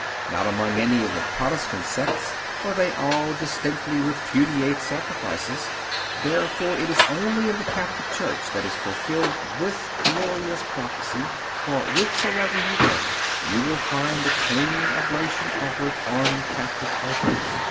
Not among any of the Protestant sects; for they all distinctly repudiate sacrifices. Therefore, it is only in the Catholic Church that is fulfilled this glorious prophecy; for whithersoever you go, you will find the clean oblation offered on Catholic altars.